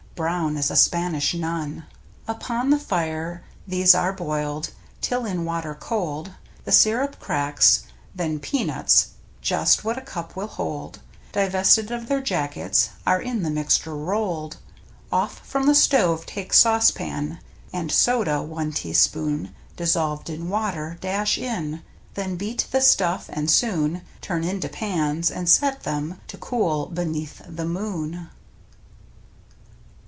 Brown as a Spanish nun. Upon the fire these are Boiled, till in water cold The sirup cracks, then peanuts (Just what a cup will hold). Divested of their jackets, Are in the mixture rolled. Off from the stove take saucepan And soda — one teaspoon Dissolved in water — dash in, Then beat the stuff and soon Turn into pans, and set them ^. To cool beneath the moon.